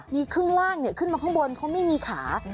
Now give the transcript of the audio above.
มีครึ่งล่างขึ้นมาข้างบนเขาไม่มีขา